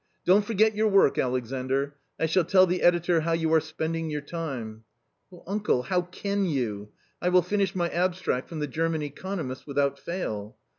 Don't forget your work, Alexandr; I shall tell the editor how you are spending your time." " Oh, uncle, how can you ! I will finish my abstract from the German economists without fail."